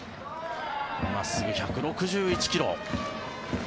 真っすぐ１６１ｋｍ。